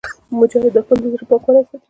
مجاهد د خپل زړه پاکوالی ساتي.